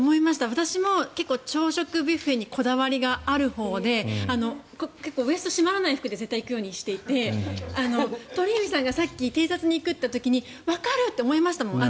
私も結構、朝食ビュッフェにこだわりがあるほうで結構、ウェストが締まらない服で行くようにしていて鳥海さんがさっき偵察に行くってなった時にわかると思いましたもん。